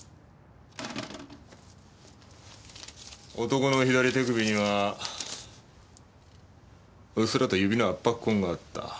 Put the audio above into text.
男の左手首にはうっすらと指の圧迫痕があった。